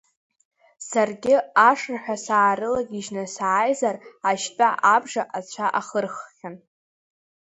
Саргьы ашырҳәа саарылагьежьны сааизар, ашьтәа абжа ацәа ахырххьан.